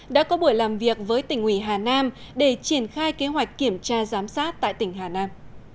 đã có buổi làm việc với tỉnh ủy hà nam để triển khai kế hoạch kiểm tra giám sát tại tỉnh hà nam